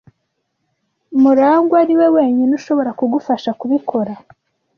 Murangwa niwe wenyine ushobora kugufasha kubikora.